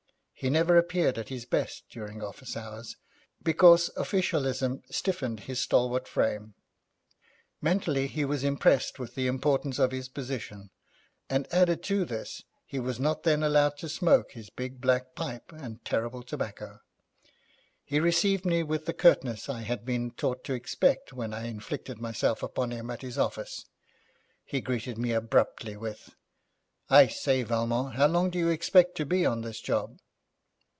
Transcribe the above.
He never appeared at his best during office hours, because officialism stiffened his stalwart frame. Mentally he was impressed with the importance of his position, and added to this he was not then allowed to smoke his big, black pipe and terrible tobacco. He received me with the curtness I had been taught to expect when I inflicted myself upon him at his office. He greeted me abruptly with, 'I say, Valmont, how long do you expect to be on this job?'